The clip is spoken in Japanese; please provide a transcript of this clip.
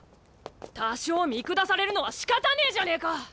多少見下されるのはしかたねえじゃねえか！